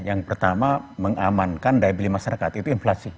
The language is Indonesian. yang pertama mengamankan daya beli masyarakat itu inflasi